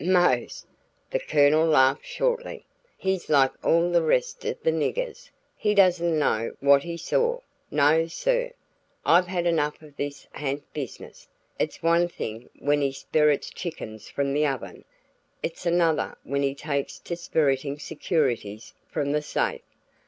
"Mose!" The Colonel laughed shortly. "He's like all the rest of the niggers. He doesn't know what he saw No sir! I've had enough of this ha'nt business; it's one thing when he spirits chickens from the oven, it's another when he takes to spiriting securities from the safe.